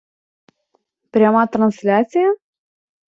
Пряма трансляція?